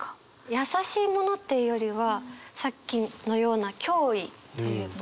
優しいものっていうよりはさっきのような脅威というか。